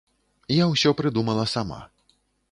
Я ўсё прыдумала сама.